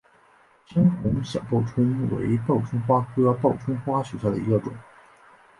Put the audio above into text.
深红小报春为报春花科报春花属下的一个种。